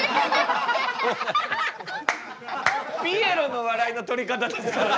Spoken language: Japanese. ピエロの笑いの取り方ですからね